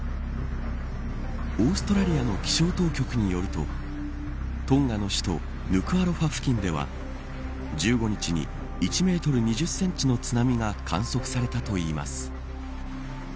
オーストラリアの気象当局によるとトンガの首都ヌクアロファ付近では１５日に１メートル２０センチの津波が観測されたといいます。